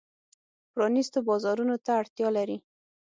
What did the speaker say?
پرانیستو بازارونو ته اړتیا لري.